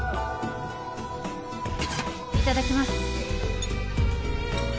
いただきます。